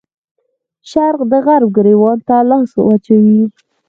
شرق د غرب ګرېوان ته لاس واچوي.